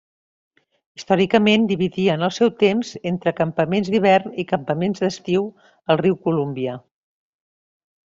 Històricament dividien el seu temps entre campaments d'hivern i campaments d'estiu al riu Columbia.